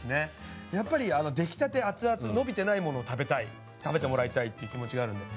やっぱりできたて熱々伸びてないものを食べたい食べてもらいたいっていう気持ちがあるんで。